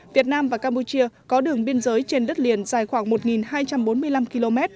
việt nam và campuchia có đường biên giới trên đất liền dài khoảng một hai trăm bốn mươi năm km